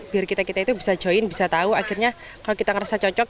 biar kita kita itu bisa join bisa tahu akhirnya kalau kita ngerasa cocok